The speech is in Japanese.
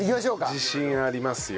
自信ありますよ！